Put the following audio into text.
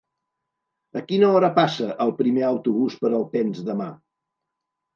A quina hora passa el primer autobús per Alpens demà?